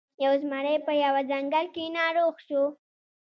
یو زمری په یوه ځنګل کې ناروغ شو.